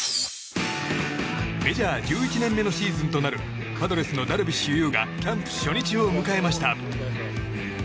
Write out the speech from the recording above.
メジャー１１年目のシーズンとなるパドレスのダルビッシュ有がキャンプ初日を迎えました。